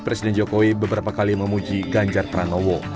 presiden jokowi beberapa kali memuji ganjar pranowo